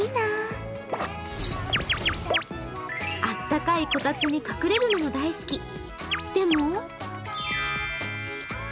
あったかいこたつに隠れるのも大好き。